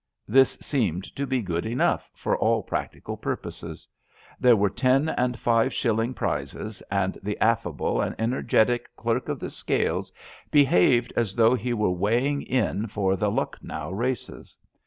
'^ This seemed to be good enough for all practical purposes. There were ten and five shilling prizes, and the affable and energetic clerk of the scales behaved as though he were weighing in for the Lucknow races.